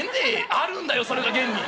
「あるんだよそれが現に。